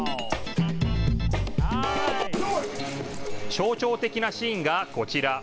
象徴的なシーンがこちら。